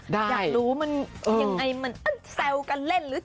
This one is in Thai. อยากรู้มันยังไงมันแซวกันเล่นหรือจริงหรือยังไง